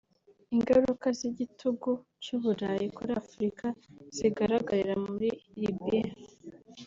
Ingaruka z’igitugu cy’u Burayi kuri Afurika zigaragarira muri Libye